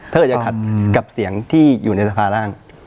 ถ้าจะขัดกับเสียงที่อยู่ในสภาร่าง